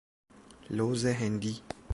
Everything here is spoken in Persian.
لوز هندی